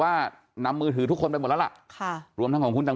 ว่านำมือถือทุกคนไปหมดแล้วล่ะค่ะรวมทั้งของคุณตั